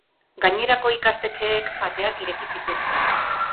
Gainerako ikastetxeek ateak ireki zituzten.